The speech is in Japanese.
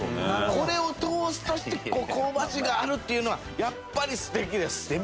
これをトーストして香ばしさがあるっていうのはやっぱり素敵です。